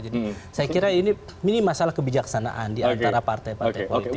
jadi saya kira ini masalah kebijaksanaan diantara partai partai politik